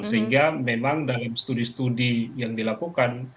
sehingga memang dalam studi studi yang dilakukan